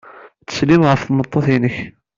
Ttsellim ɣef tmeṭṭut-nnek.